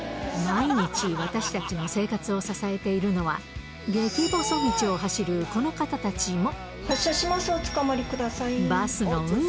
毎日、私たちの生活を支えているのは、ゲキ細道を走るこの方たちも。